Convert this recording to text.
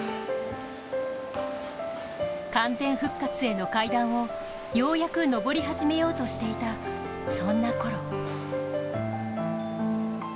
完全復活への階段をようやく登り始めようとしていたそんなころ